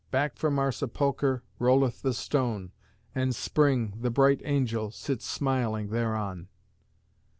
Back from our sepulchre rolleth the stone, And Spring, the bright Angel, sits smiling thereon.